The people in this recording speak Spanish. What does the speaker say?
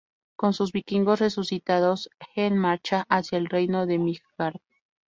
Con sus vikingos resucitados, Hel marcha hacia el reino de Midgard.